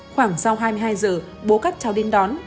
khoảng sau hai mươi hai giờ bố các cháu đi đón